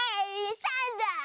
３だ！